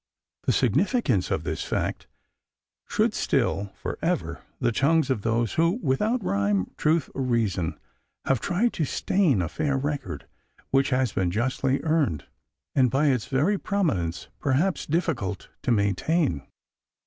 The significance of this fact should still forever the tongue of those who, without rhyme, truth, or reason, have tried to stain a fair record, which has been justly earned; and by its very prominence, perhaps, difficult to maintain.